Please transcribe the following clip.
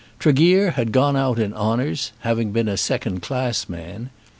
Tregear had gone out in honours, having been a second class man.